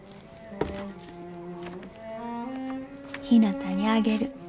．ひなたにあげる。